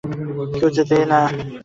কেউ জেতে না!